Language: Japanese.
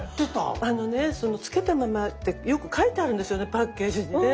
あのねその漬けたままってよく書いてあるんですよねパッケージにね。